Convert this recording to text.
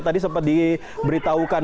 tadi sempat diberitahukan